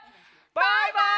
バイバイ！